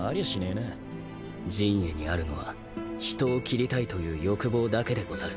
刃衛にあるのは人を斬りたいという欲望だけでござる。